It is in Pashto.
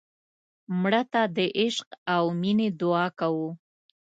مړه ته د عشق او مینې دعا کوو